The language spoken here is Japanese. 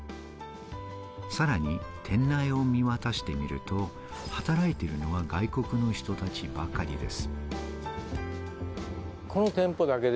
さらに店内を見渡してみると、働いているのは外国の人たちばかりです。